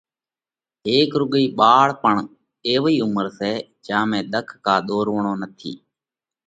هيڪ رُوڳئِي ٻاۯا پڻ ايوئي عُمر سئہ، جيا ۾ ۮک ڪا ۮورووڻ نٿِي۔